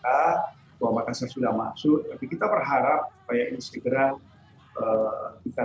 bahwa pak kota makassar sudah masuk tapi kita berharap supaya ini segera